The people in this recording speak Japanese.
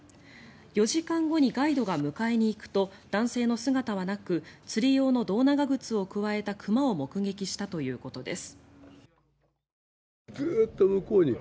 ４時間後にガイドが迎えにいくと男性の姿はなく釣り用の胴長靴をくわえた熊を目撃したということです。